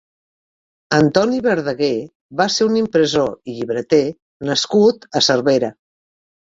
Antoni Berdeguer va ser un impressor i llibreter nascut a Cervera.